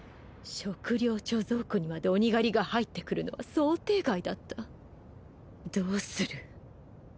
食糧貯蔵庫にまで鬼狩りが入ってくるのは想定外だったどうする？